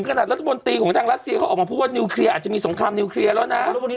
รัฐมนตรีของทางรัสเซียเขาออกมาพูดว่านิวเคลียร์อาจจะมีสงครามนิวเคลียร์แล้วนะ